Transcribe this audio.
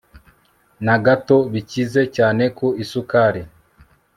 na gato bikize cyane ku isukari